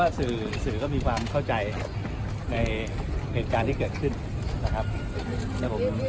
สื่อมีความเข้าใจในเหตุการณ์ที่เกิดขึ้น